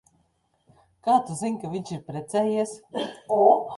Kā tu zini, ka viņš ir precējies?